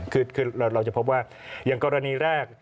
คือเราจะพบว่าอย่างกรณีแรก